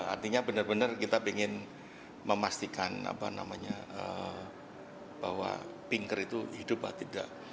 artinya benar benar kita ingin memastikan apa namanya bahwa pinker itu hidup atau tidak